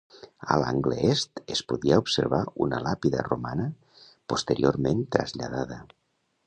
A l'angle est es podia observar una làpida romana posteriorment traslladada.